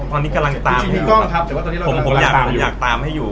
ตอนนี้กำลังตามอยู่ผมอยากตามให้อยู่